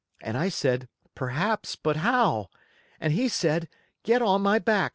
and I said, 'Perhaps, but how?' and he said, 'Get on my back.